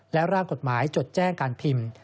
และร่างกฎหมายจดแจ้งการพิมพ์